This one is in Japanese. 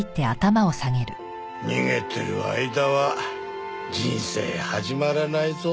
逃げてる間は人生始まらないぞ。